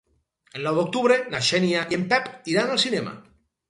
El nou d'octubre na Xènia i en Pep iran al cinema.